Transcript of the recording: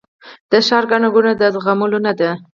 د ښار ګڼه ګوڼه د زغملو نه ده